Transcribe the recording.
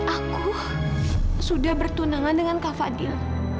aku sudah bertunangan dengan kak fadil